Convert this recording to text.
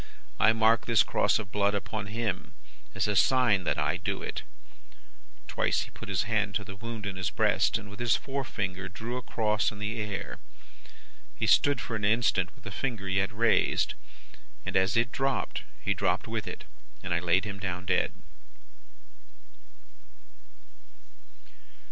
I mark this cross of blood upon him, as a sign that I do it.' "Twice, he put his hand to the wound in his breast, and with his forefinger drew a cross in the air. He stood for an instant with the finger yet raised, and as it dropped, he dropped with it, and I laid him down dead.